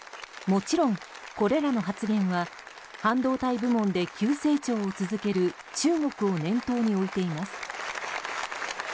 もちろん、これらの発言は半導体部門で急成長を続ける中国を念頭に置いています。